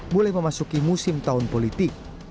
mulai memasuki musim tahun politik